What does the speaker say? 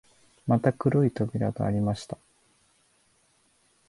また黒い扉がありました